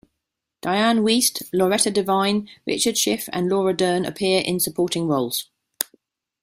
Dianne Wiest, Loretta Devine, Richard Schiff and Laura Dern appear in supporting roles.